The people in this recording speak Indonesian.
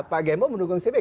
pak gembong mendukung si b